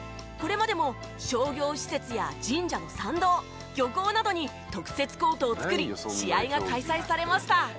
これまでも商業施設や神社の参道漁港などに特設コートを作り試合が開催されました。